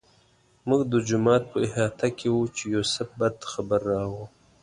موږ د جومات په احاطه کې وو چې یوسف بد خبر راوړ.